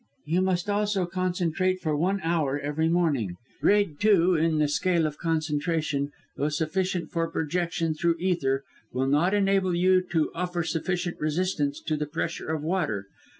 "You must also concentrate for one hour every morning. Grade two in the scale of concentration, though sufficient for projection through ether, will not enable you to offer sufficient resistance to the pressure of water.